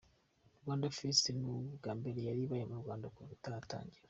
Rwanda Fiesta ni ubwa mbere yari ibaye mu Rwanda kuva yatangira.